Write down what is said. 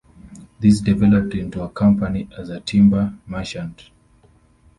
This developed into a company as a timber merchant.